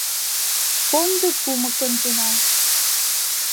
Комдык-кумык ончена.